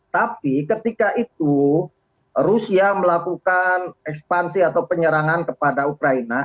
tapi ketika itu rusia melakukan ekspansi atau penyerangan kepada ukraina